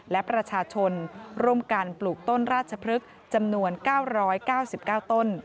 และประชาชนร่วมกันปลูกต้นราชพฤกษ์จำนวน๙๙๙ต้น